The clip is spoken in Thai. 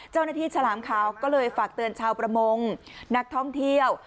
ฉลามขาวก็เลยฝากเตือนชาวประมงนักท่องเที่ยว